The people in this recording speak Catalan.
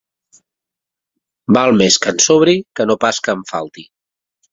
Val més que en sobri que no pas que en falti.